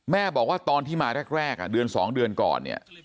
แม่บอกว่าตอนที่มาแรกเดือน๒เดือนก่อน